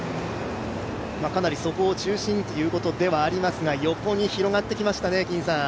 かなりそこを中心にということではありますが、横に広がってきましたね。